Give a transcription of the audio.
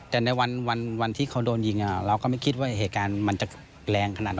แต่ในวันที่เขาโดนยิงเราก็ไม่คิดว่าเหตุการณ์มันจะแรงขนาดนั้น